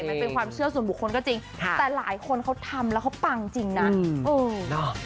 มันเป็นความเชื่อส่วนบุคคลก็จริงแต่หลายคนเขาทำแล้วเขาปังจริงนะเออเนอะ